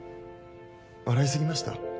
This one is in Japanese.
笑い過ぎました？